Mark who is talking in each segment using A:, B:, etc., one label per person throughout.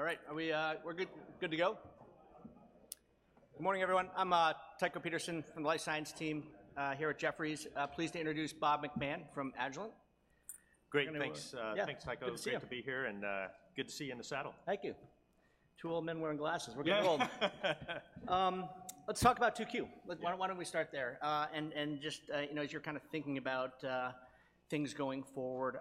A: All right, are we, we're good, good to go? Good morning, everyone. I'm, Tycho Peterson from the life science team, here at Jefferies. Pleased to introduce Bob McMahon from Agilent.
B: Great, thanks-
A: Yeah.
B: Thanks, Tycho.
A: Good to see you.
B: Great to be here, and good to see you in the saddle.
A: Thank you. Two old men wearing glasses. We're getting old.
B: Yeah.
A: Let's talk about 2Q.
B: Yeah.
A: Why, why don't we start there? And just, you know, as you're kind of thinking about things going forward,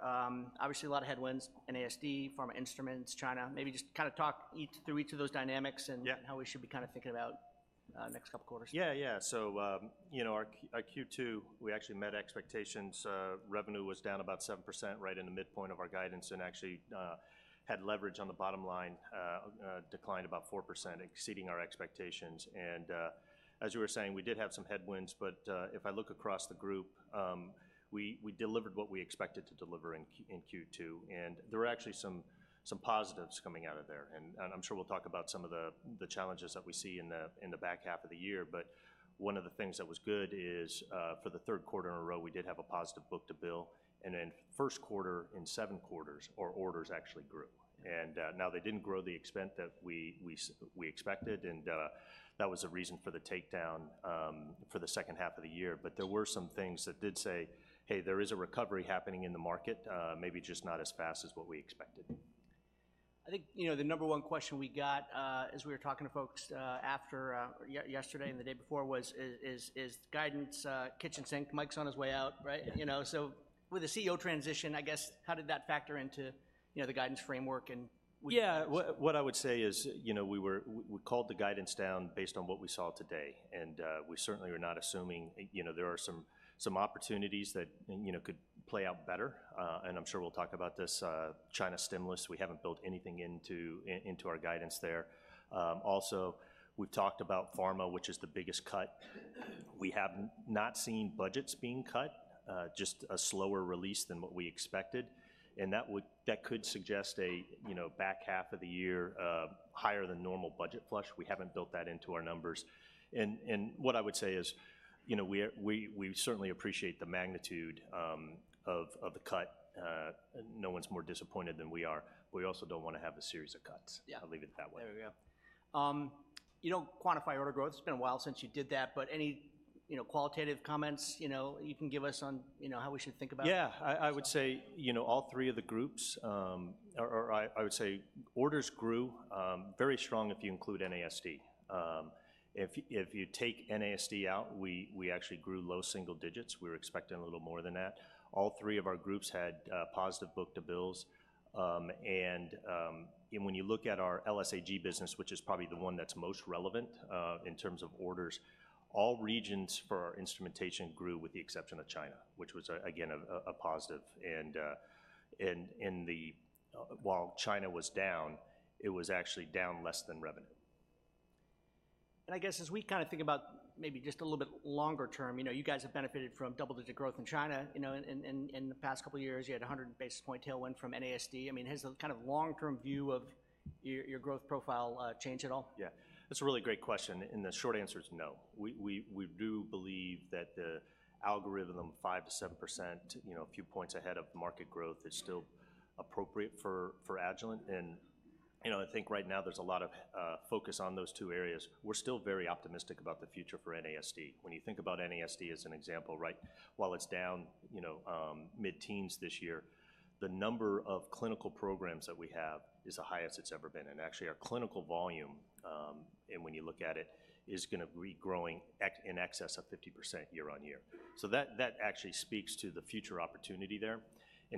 A: obviously, a lot of headwinds, NASD, pharma instruments, China. Maybe just kind of talk through each of those dynamics-
B: Yeah
A: and how we should be kind of thinking about the next couple quarters.
B: Yeah, yeah. So, you know, our Q2, we actually met expectations. Revenue was down about 7%, right in the midpoint of our guidance, and actually, had leverage on the bottom line, declined about 4%, exceeding our expectations. And, as you were saying, we did have some headwinds, but, if I look across the group, we delivered what we expected to deliver in Q2, and there were actually some positives coming out of there. And, I'm sure we'll talk about some of the challenges that we see in the back half of the year. But one of the things that was good is, for the third quarter in a row, we did have a positive book to bill, and in first quarter in seven quarters, our orders actually grew. And, now they didn't grow to the extent that we expected, and, that was a reason for the takedown for the second half of the year. But there were some things that did say, "Hey, there is a recovery happening in the market," maybe just not as fast as what we expected.
A: I think, you know, the number one question we got as we were talking to folks after yesterday and the day before was, "Is guidance kitchen sink? Mike's on his way out, right?
B: Yeah.
A: You know, so with a CEO transition, I guess, how did that factor into, you know, the guidance framework and...
B: Yeah. What I would say is, you know, we were we called the guidance down based on what we saw today, and we certainly were not assuming. You know, there are some opportunities that, you know, could play out better, and I'm sure we'll talk about this China stimulus. We haven't built anything into our guidance there. Also, we've talked about pharma, which is the biggest cut. We have not seen budgets being cut, just a slower release than what we expected, and that would that could suggest a, you know, back half of the year, higher than normal budget flush. We haven't built that into our numbers. And what I would say is, you know, we are we certainly appreciate the magnitude of the cut. No one's more disappointed than we are. We also don't want to have a series of cuts.
A: Yeah.
B: I'll leave it that way.
A: There we go. You don't quantify order growth. It's been a while since you did that, but any, you know, qualitative comments, you know, you can give us on, you know, how we should think about it?
B: Yeah. I, I- would say, you know, all three of the groups I would say orders grew very strong if you include NASD. If you take NASD out, we actually grew low single digits. We were expecting a little more than that. All three of our groups had positive book to bills. And when you look at our LSAG business, which is probably the one that's most relevant in terms of orders, all regions for our instrumentation grew, with the exception of China, which was, again, a positive. And while China was down, it was actually down less than revenue.
A: I guess as we kind of think about maybe just a little bit longer term, you know, you guys have benefited from double-digit growth in China, you know, in the past couple of years. You had a 100 basis point tailwind from NASD. I mean, has the kind of long-term view of your growth profile changed at all?
B: Yeah, that's a really great question, and the short answer is no. We do believe that the algorithm of 5%-7%, you know, a few points ahead of market growth, is still appropriate for Agilent. And, you know, I think right now there's a lot of focus on those two areas. We're still very optimistic about the future for NASD. When you think about NASD as an example, right? While it's down, you know, mid-teens this year, the number of clinical programs that we have is the highest it's ever been. And actually, our clinical volume, and when you look at it, is gonna be growing in excess of 50% year-on-year. So that actually speaks to the future opportunity there.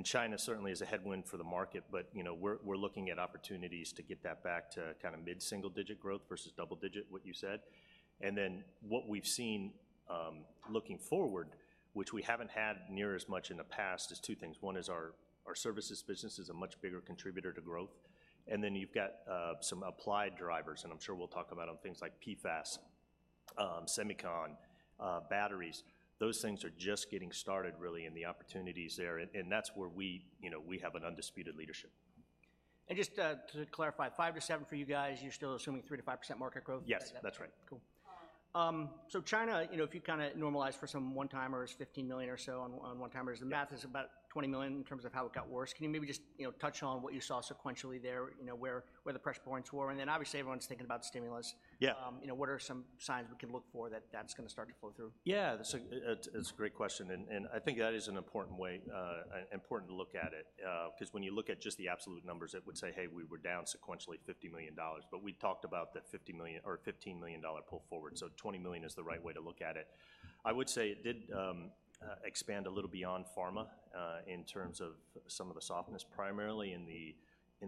B: China certainly is a headwind for the market, but, you know, we're looking at opportunities to get that back to kind of mid-single-digit growth versus double-digit, what you said. And then what we've seen, looking forward, which we haven't had near as much in the past, is two things. One is our services business is a much bigger contributor to growth, and then you've got some applied drivers, and I'm sure we'll talk about on things like PFAS, semicon, batteries. Those things are just getting started really, and the opportunity's there, and that's where we, you know, we have an undisputed leadership.
A: Just, to clarify, 5-7 for you guys, you're still assuming 3%-5% market growth?
B: Yes, that's right.
A: Cool. So China, you know, if you kind of normalize for some one-timers, $15 million or so on one-timers-
B: Yeah...
A: the math is about $20 million in terms of how it got worse. Can you maybe just, you know, touch on what you saw sequentially there, you know, where the pressure points were? And then obviously, everyone's thinking about stimulus.
B: Yeah.
A: You know, what are some signs we can look for that that's gonna start to flow through?
B: Yeah, so it's a great question, and I think that is an important way to look at it. 'Cause when you look at just the absolute numbers, it would say, "Hey, we were down sequentially $50 million," but we talked about that $50 million or $15 million dollar pull forward, so $20 million is the right way to look at it. I would say it did expand a little beyond pharma in terms of some of the softness, primarily in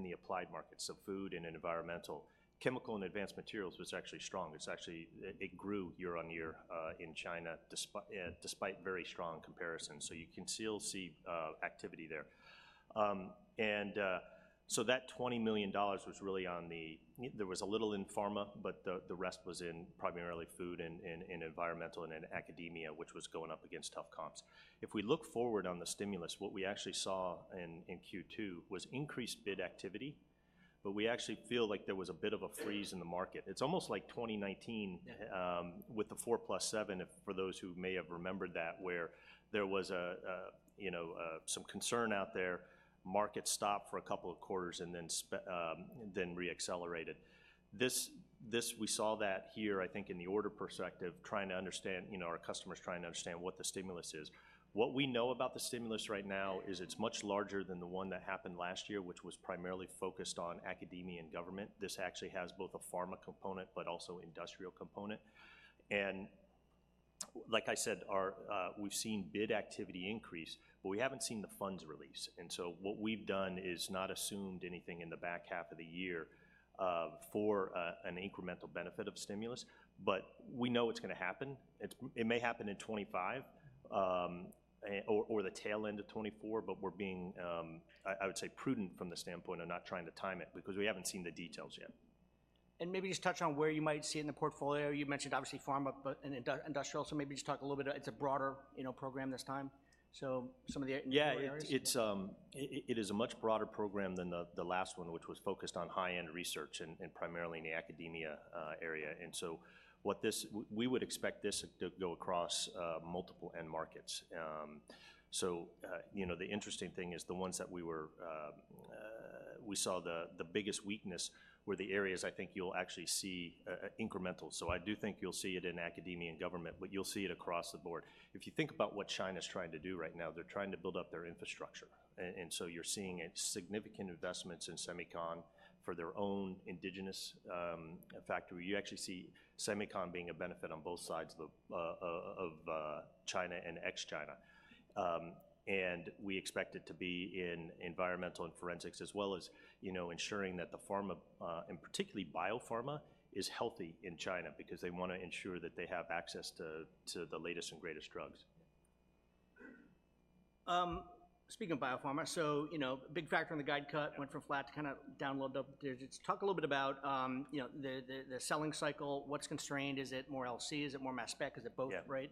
B: the applied markets of food and environmental. Chemical and advanced materials was actually strong. It's actually. It grew year-on-year in China despite very strong comparisons, so you can still see activity there. And so that $20 million was really on the... There was a little in pharma, but the rest was in primarily food and in environmental and in academia, which was going up against tough comps. If we look forward on the stimulus, what we actually saw in Q2 was increased bid activity, but we actually feel like there was a bit of a freeze in the market. It's almost like 2019-
A: Yeah...
B: with the 4+7, if, for those who may have remembered that, where there was a, you know, some concern out there, market stopped for a couple of quarters and then accelerated. This, we saw that here, I think, in the order perspective, trying to understand, you know, our customers trying to understand what the stimulus is. What we know about the stimulus right now is it's much larger than the one that happened last year, which was primarily focused on academia and government. This actually has both a pharma component but also industrial component. And, like I said, our, we've seen bid activity increase, but we haven't seen the funds release. And so what we've done is not assumed anything in the back half of the year, for an incremental benefit of stimulus, but we know it's gonna happen. It's—it may happen in 2025, or the tail end of 2024, but we're being, I would say, prudent from the standpoint of not trying to time it, because we haven't seen the details yet.
A: Maybe just touch on where you might see it in the portfolio. You mentioned, obviously, pharma, but and industrial, so maybe just talk a little bit. It's a broader, you know, program this time. So some of the areas?
B: Yeah, it's it is a much broader program than the last one, which was focused on high-end research and primarily in the academia area. And so we would expect this to go across multiple end markets. So, you know, the interesting thing is the ones that we were. We saw the biggest weakness were the areas I think you'll actually see incremental. So I do think you'll see it in academia and government, but you'll see it across the board. If you think about what China's trying to do right now, they're trying to build up their infrastructure. And so you're seeing a significant investments in semicon for their own indigenous factory. You actually see semicon being a benefit on both sides of China and ex-China. We expect it to be in environmental and forensics as well as, you know, ensuring that the pharma and particularly biopharma is healthy in China because they want to ensure that they have access to the latest and greatest drugs.
A: Speaking of biopharma, so, you know, a big factor in the guide cut went from flat to kind of down load up. Just talk a little bit about, you know, the selling cycle. What's constrained? Is it more LC? Is it more mass spec? Is it both?
B: Yeah.
A: Right?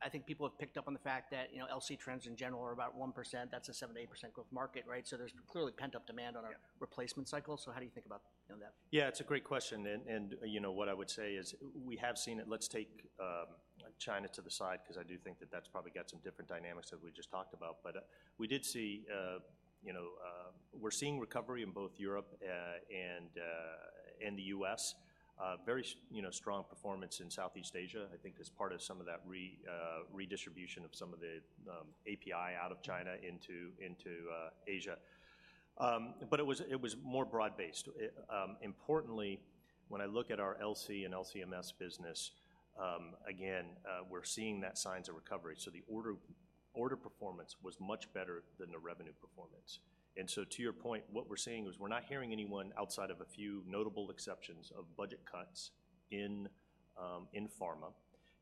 A: I think people have picked up on the fact that, you know, LC trends in general are about 1%. That's a 7%-8% growth market, right? So there's clearly pent-up demand on our-
B: Yeah
A: replacement cycle. So how do you think about, you know, that?
B: Yeah, it's a great question, and you know, what I would say is we have seen it. Let's take China to the side, 'cause I do think that that's probably got some different dynamics than we just talked about. But we did see, you know, we're seeing recovery in both Europe and the U.S. Very you know, strong performance in Southeast Asia, I think as part of some of that redistribution of some of the API out of China into Asia. But it was, it was more broad-based. Importantly, when I look at our LC and LC-MS business, again, we're seeing those signs of recovery. So the order performance was much better than the revenue performance. So to your point, what we're seeing is we're not hearing anyone outside of a few notable exceptions of budget cuts in pharma.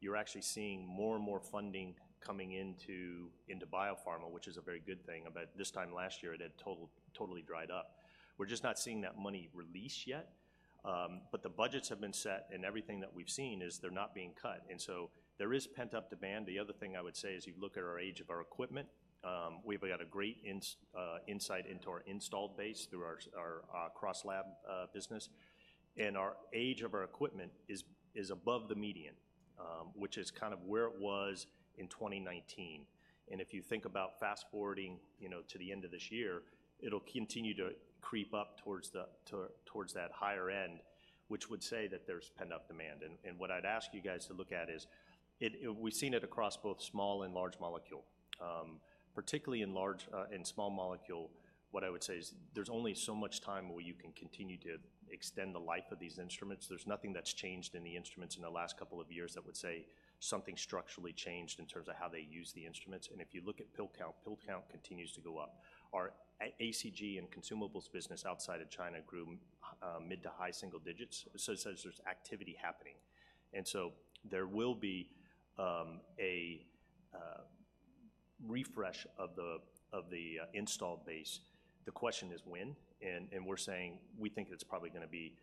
B: You're actually seeing more and more funding coming into biopharma, which is a very good thing. About this time last year, it had totally dried up. We're just not seeing that money released yet, but the budgets have been set, and everything that we've seen is they're not being cut. And so there is pent-up demand. The other thing I would say is, you look at our age of our equipment. We've got a great insight into our installed base through our CrossLab business. And our age of our equipment is above the median, which is kind of where it was in 2019. If you think about fast-forwarding, you know, to the end of this year, it'll continue to creep up towards the, towards that higher end, which would say that there's pent-up demand. What I'd ask you guys to look at is, we've seen it across both small and large molecule. Particularly in large, in small molecule, what I would say is there's only so much time where you can continue to extend the life of these instruments. There's nothing that's changed in the instruments in the last couple of years that would say something structurally changed in terms of how they use the instruments. If you look at pill count, pill count continues to go up. Our ACG and consumables business outside of China grew mid to high single digits, so there's activity happening. So there will be a refresh of the installed base. The question is when? And we're saying we think it's probably gonna be...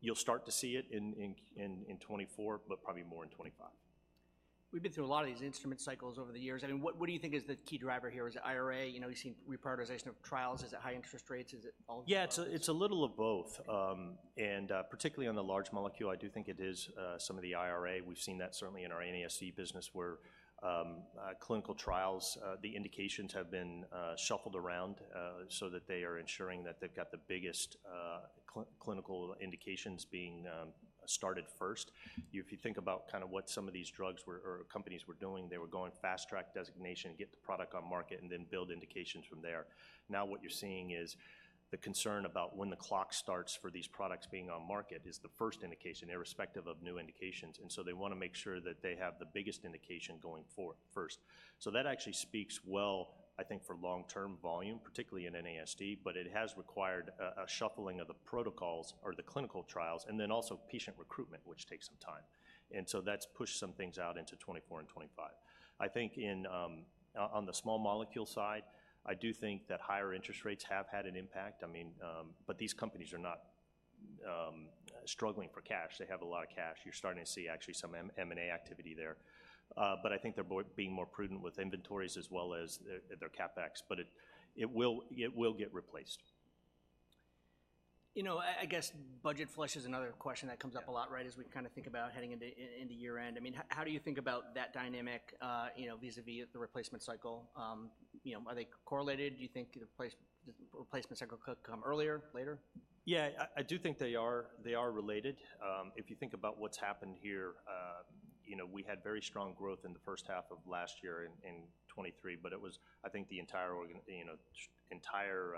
B: You'll start to see it in 2024, but probably more in 2025.
A: We've been through a lot of these instrument cycles over the years. I mean, what, what do you think is the key driver here? Is it IRA? You know, we've seen reprioritization of trials. Is it high interest rates? Is it all of them?
B: Yeah, it's a little of both. And particularly on the large molecule, I do think it is some of the IRA. We've seen that certainly in our NASD business, where clinical trials, the indications have been shuffled around, so that they are ensuring that they've got the biggest clinical indications being started first. If you think about kind of what some of these drugs were or companies were doing, they were going fast track designation, get the product on market, and then build indications from there. Now, what you're seeing is the concern about when the clock starts for these products being on market is the first indication, irrespective of new indications, and so they wanna make sure that they have the biggest indication going first. So that actually speaks well, I think, for long-term volume, particularly in NASD, but it has required a shuffling of the protocols or the clinical trials, and then also patient recruitment, which takes some time. And so that's pushed some things out into 2024 and 2025. I think on the small molecule side, I do think that higher interest rates have had an impact. I mean, but these companies are not struggling for cash. They have a lot of cash. You're starting to see actually some M&A activity there, but I think they're being more prudent with inventories as well as their CapEx, but it will get replaced....
A: You know, I, I guess budget flush is another question that comes up a lot,
B: Yeah.
A: Right, as we kind of think about heading into year-end. I mean, how do you think about that dynamic, you know, vis-a-vis the replacement cycle? You know, are they correlated? Do you think the replacement cycle could come earlier, later?
B: Yeah, I do think they are related. If you think about what's happened here, you know, we had very strong growth in the first half of last year in 2023, but it was, I think, the entire—you know, the entire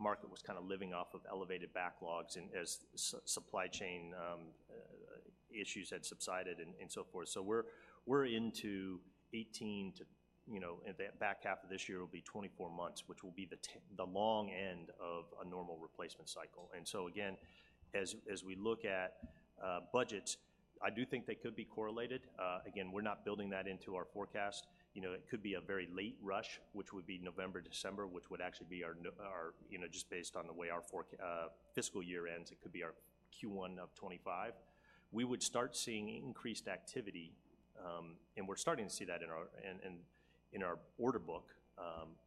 B: market was kind of living off of elevated backlogs and as supply chain issues had subsided and so forth. So we're into 18 to, you know, at the back half of this year, it'll be 24 months, which will be the long end of a normal replacement cycle. And so again, as we look at budgets, I do think they could be correlated. Again, we're not building that into our forecast. You know, it could be a very late rush, which would be November, December, which would actually be our our... You know, just based on the way our forecast fiscal year ends, it could be our Q1 of 2025. We would start seeing increased activity, and we're starting to see that in our in our order book.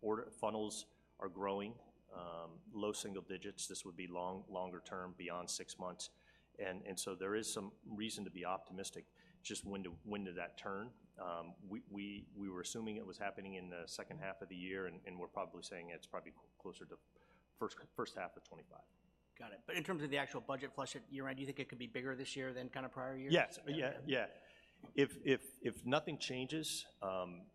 B: Order funnels are growing, low single digits. This would be longer term, beyond six months. And so there is some reason to be optimistic, just when does that turn? We were assuming it was happening in the second half of the year, and we're probably saying it's probably closer to first half of 2025.
A: Got it. But in terms of the actual budget flush at year-end, do you think it could be bigger this year than kind of prior years?
B: Yes. Yeah, yeah. If nothing changes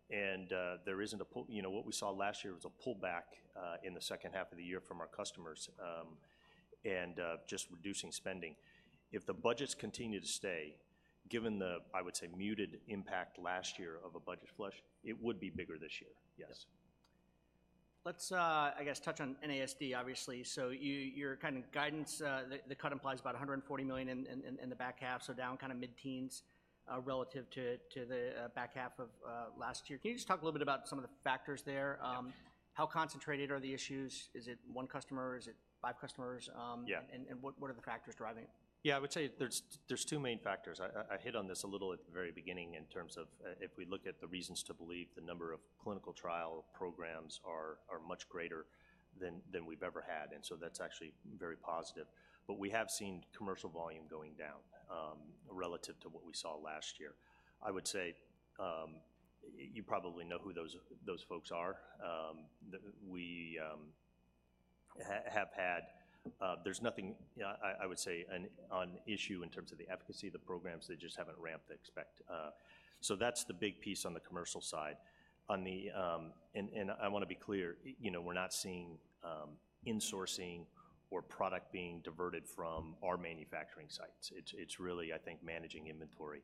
B: and there isn't a pullback. You know, what we saw last year was a pullback in the second half of the year from our customers and just reducing spending. If the budgets continue to stay, given the, I would say, muted impact last year of a budget flush, it would be bigger this year, yes.
A: Let's, I guess, touch on NASD, obviously. So your kind of guidance, the cut implies about $140 million in the back half, so down kind of mid-teens%, relative to the back half of last year. Can you just talk a little bit about some of the factors there?
B: Yeah.
A: How concentrated are the issues? Is it one customer? Is it five customers?
B: Yeah.
A: What are the factors driving it?
B: Yeah, I would say there's two main factors. I hit on this a little at the very beginning in terms of if we look at the reasons to believe, the number of clinical trial programs are much greater than we've ever had, and so that's actually very positive. But we have seen commercial volume going down relative to what we saw last year. I would say you probably know who those folks are. We have had... There's nothing, I would say, no issue in terms of the efficacy of the programs. They just haven't ramped as expected. So that's the big piece on the commercial side. On the... And I want to be clear, you know, we're not seeing insourcing or product being diverted from our manufacturing sites. It's really, I think, managing inventory,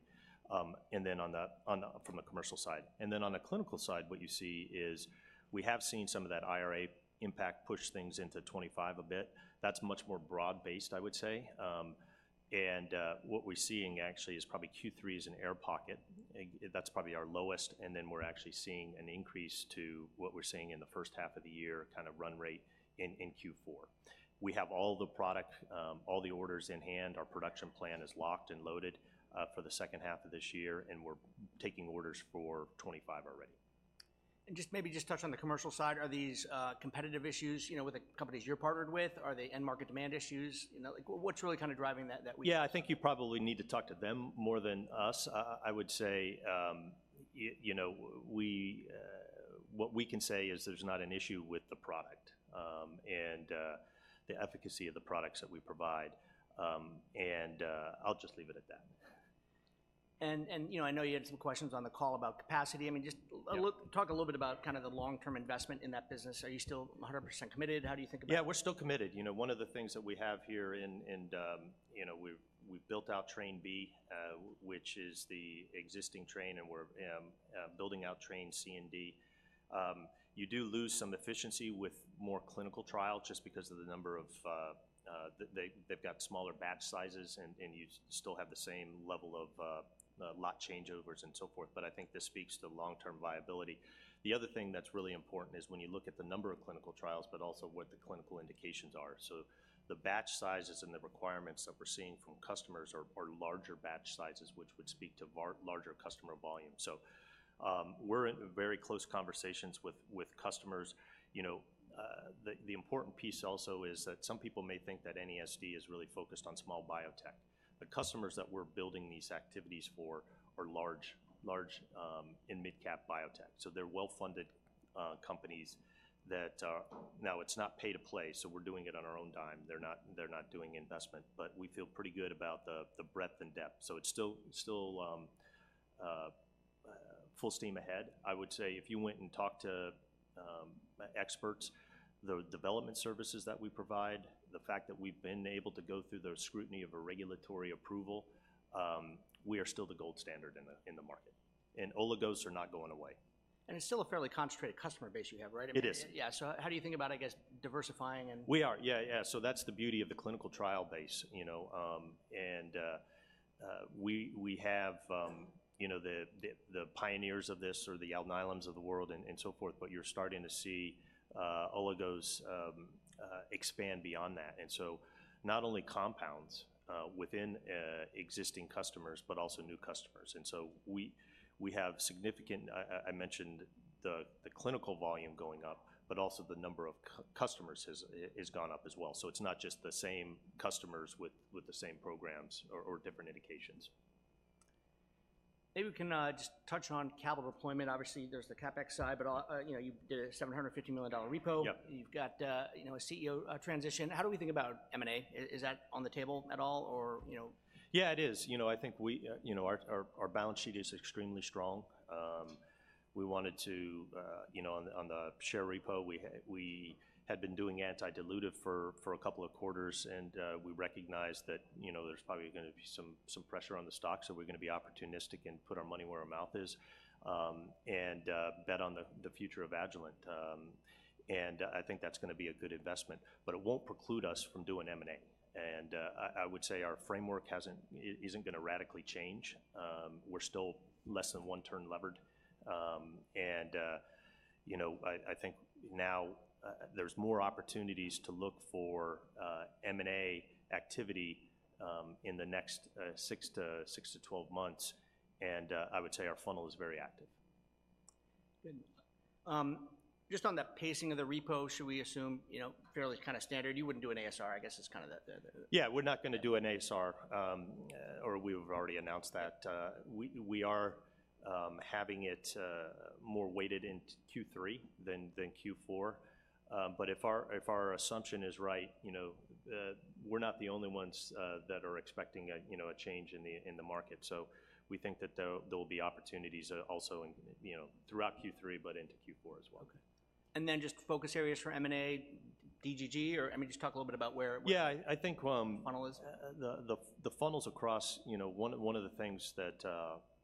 B: and then on the commercial side. And then on the clinical side, what you see is we have seen some of that IRA impact push things into 2025 a bit. That's much more broad-based, I would say. And what we're seeing actually is probably Q3 is an air pocket. That's probably our lowest, and then we're actually seeing an increase to what we're seeing in the first half of the year, kind of run rate in Q4. We have all the product, all the orders in hand. Our production plan is locked and loaded for the second half of this year, and we're taking orders for 2025 already.
A: And just maybe just touch on the commercial side. Are these competitive issues, you know, with the companies you're partnered with? Are they end market demand issues? You know, like, what's really kind of driving that, that we-
B: Yeah, I think you probably need to talk to them more than us. I would say, you know, what we can say is there's not an issue with the product, and the efficacy of the products that we provide, and I'll just leave it at that.
A: You know, I know you had some questions on the call about capacity. I mean, just-
B: Yeah...
A: a little, talk a little bit about kind of the long-term investment in that business. Are you still 100% committed? How do you think about it?
B: Yeah, we're still committed. You know, one of the things that we have here, you know, we've built out Train B, which is the existing train, and we're building out Train C and D. You do lose some efficiency with more clinical trial just because of the number of... They've got smaller batch sizes, and you still have the same level of lot changeovers and so forth, but I think this speaks to long-term viability. The other thing that's really important is when you look at the number of clinical trials, but also what the clinical indications are. So the batch sizes and the requirements that we're seeing from customers are larger batch sizes, which would speak to larger customer volume. So, we're in very close conversations with customers. You know, the important piece also is that some people may think that NASD is really focused on small biotech. The customers that we're building these activities for are large, large, and midcap biotech. So they're well-funded companies that are. Now, it's not pay to play, so we're doing it on our own dime. They're not doing investment, but we feel pretty good about the breadth and depth. So it's still full steam ahead. I would say if you went and talked to experts, the development services that we provide, the fact that we've been able to go through the scrutiny of a regulatory approval, we are still the gold standard in the market, and oligos are not going away.
A: It's still a fairly concentrated customer base you have, right?
B: It is.
A: Yeah. So how do you think about, I guess, diversifying and-
B: We are. Yeah, yeah. So that's the beauty of the clinical trial base, you know. And we have, you know, the pioneers of this or the Alnylams of the world and so forth, but you're starting to see oligos expand beyond that, and so not only compounds within existing customers, but also new customers. And so we have significant... I mentioned the clinical volume going up, but also the number of customers has gone up as well. So it's not just the same customers with the same programs or different indications. ...
A: Maybe we can just touch on capital deployment. Obviously, there's the CapEx side, but you know, you did a $750 million repo.
B: Yep.
A: You've got, you know, a CEO transition. How do we think about M&A? Is that on the table at all, or you know?
B: Yeah, it is. You know, I think we, you know, our balance sheet is extremely strong. We wanted to, you know, on the, on the share repo, we had been doing anti-dilutive for, for a couple of quarters, and, we recognized that, you know, there's probably gonna be some, some pressure on the stock. So we're gonna be opportunistic and put our money where our mouth is, and, bet on the, the future of Agilent. And, I think that's gonna be a good investment, but it won't preclude us from doing M&A. And, I would say our framework hasn't isn't gonna radically change. We're still less than one turn levered. You know, I think now there's more opportunities to look for M&A activity in the next 6-12 months, and I would say our funnel is very active.
A: Good. Just on that pacing of the repo, should we assume, you know, fairly kinda standard? You wouldn't do an ASR, I guess, is kinda the, the-
B: Yeah, we're not gonna do an ASR, or we've already announced that. We are having it more weighted into Q3 than Q4. But if our assumption is right, you know, we're not the only ones that are expecting a, you know, a change in the market. So we think that there will be opportunities also in, you know, throughout Q3, but into Q4 as well.
A: Okay. And then, just focus areas for M&A, DGG, or I mean, just talk a little bit about where,
B: Yeah, I think,
A: Funnel is.
B: You know, one of the things that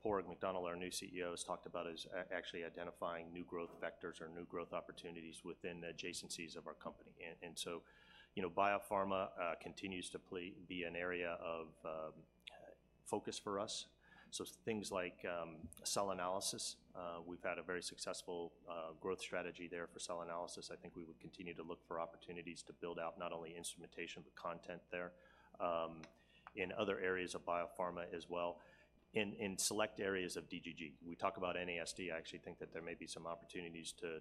B: Padraig McDonnell, our new CEO, has talked about is actually identifying new growth vectors or new growth opportunities within adjacencies of our company. And so, you know, biopharma continues to be an area of focus for us. So things like cell analysis, we've had a very successful growth strategy there for cell analysis. I think we would continue to look for opportunities to build out not only instrumentation, but content there. In other areas of biopharma as well, in select areas of DGG, we talk about NASD. I actually think that there may be some opportunities to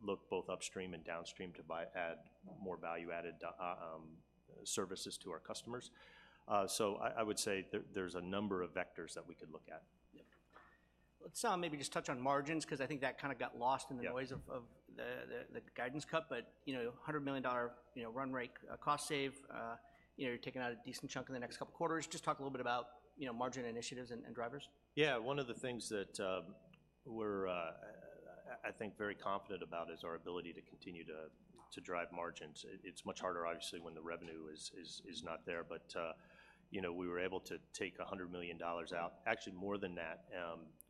B: look both upstream and downstream to add more value-added services to our customers. So I would say there's a number of vectors that we could look at. Yeah.
A: Let's maybe just touch on margins, 'cause I think that kinda got lost in the-
B: Yeah...
A: noise of the guidance cut. But, you know, a $100 million, you know, run rate cost save, you know, you're taking out a decent chunk in the next couple quarters. Just talk a little bit about, you know, margin initiatives and drivers.
B: Yeah. One of the things that we're I think very confident about is our ability to continue to drive margins. It's much harder, obviously, when the revenue is not there. But you know, we were able to take $100 million out. Actually, more than that,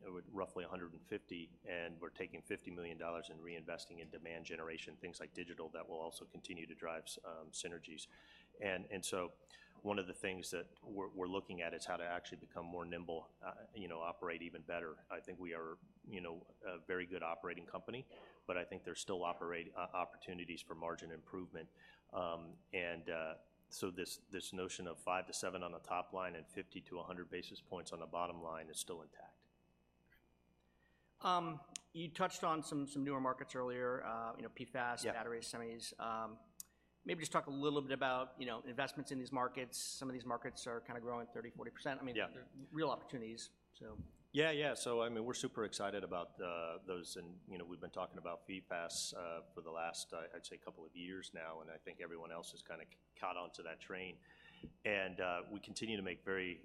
B: it would roughly $150 million, and we're taking $50 million and reinvesting in demand generation, things like digital, that will also continue to drive some synergies. And so one of the things that we're looking at is how to actually become more nimble, you know, operate even better. I think we are, you know, a very good operating company, but I think there's still opportunities for margin improvement. So, this notion of 5-7 on the top line and 50-100 basis points on the bottom line is still intact.
A: You touched on some newer markets earlier, you know, PFAS-
B: Yeah...
A: batteries, semis. Maybe just talk a little bit about, you know, investments in these markets. Some of these markets are kinda growing 30%-40%.
B: Yeah.
A: I mean, they're real opportunities, so...
B: Yeah, yeah. So I mean, we're super excited about, those and, you know, we've been talking about PFAS, for the last, I'd say, couple of years now, and I think everyone else has kinda caught onto that train. And, we continue to make very,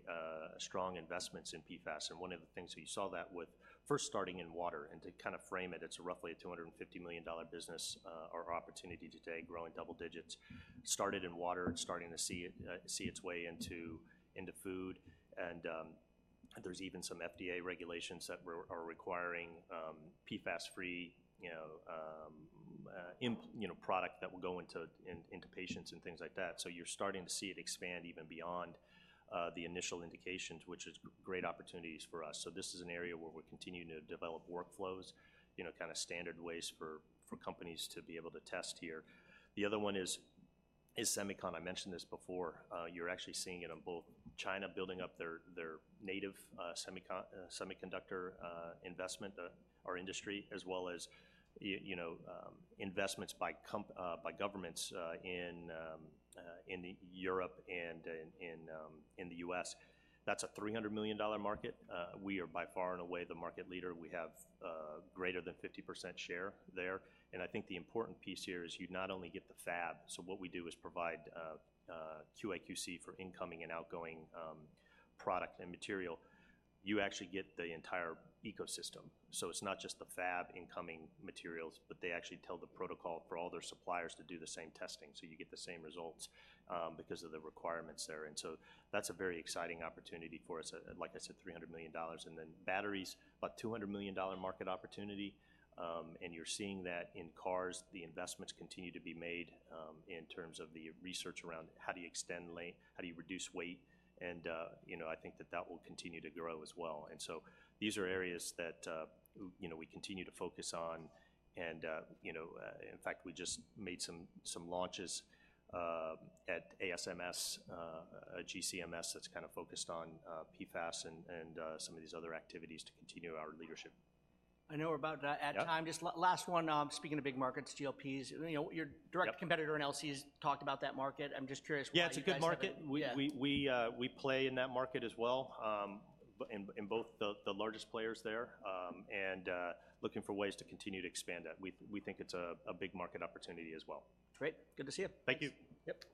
B: strong investments in PFAS, and one of the things we saw that with first starting in water, and to kinda frame it, it's roughly a $250 million business, or opportunity today, growing double digits. Started in water, and starting to see its way into food, and, there's even some FDA regulations that are requiring, PFAS-free, you know, product that will go into patients and things like that. So you're starting to see it expand even beyond the initial indications, which is great opportunities for us. So this is an area where we're continuing to develop workflows, you know, kinda standard ways for companies to be able to test here. The other one is semicon. I mentioned this before. You're actually seeing it in both China building up their native semiconductor investment or industry, as well as you know, investments by governments in Europe and in the U.S. That's a $300 million market. We are, by far and away, the market leader. We have greater than 50% share there, and I think the important piece here is you not only get the fab. So what we do is provide QA/QC for incoming and outgoing product and material. You actually get the entire ecosystem. So it's not just the fab incoming materials, but they actually tell the protocol for all their suppliers to do the same testing, so you get the same results because of the requirements there. And so that's a very exciting opportunity for us, like I said, $300 million. And then batteries, about $200 million market opportunity, and you're seeing that in cars. The investments continue to be made in terms of the research around how do you extend, how do you reduce weight? And you know, I think that that will continue to grow as well. And so these are areas that, you know, we continue to focus on. You know, in fact, we just made some launches at ASMS, GC/MS that's kinda focused on PFAS and some of these other activities to continue our leadership.
A: I know we're about at time.
B: Yeah.
A: Just last one, speaking of big markets, GLPs, you know, your-
B: Yep...
A: direct competitor in LC has talked about that market. I'm just curious whether you guys have-
B: Yeah, it's a good market.
A: Yeah.
B: We play in that market as well, in both the largest players there, and looking for ways to continue to expand that. We think it's a big market opportunity as well.
A: Great. Good to see you.
B: Thank you.
A: Yep.